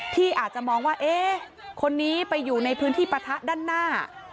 ที่อาจจะมองว่าเอ๊ะคนนี้ไปอยู่ในพื้นที่ปะทะด้านหน้า